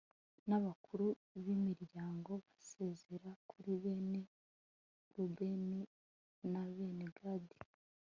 n'abakuru b'imiryango basezera kuri bene rubeni na bene gadi